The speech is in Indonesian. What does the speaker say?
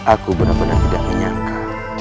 aku benar benar tidak menyangka